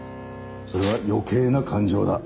それは余計な感情だ。